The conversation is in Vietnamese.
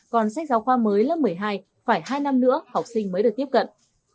còn sách giáo khoa mới lớp một mươi hai phải hai năm nữa học sinh mới được tiếp cận